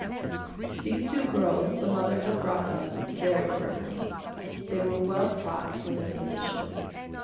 These two girls the mother had brought up very firmly. They were well taught for their position.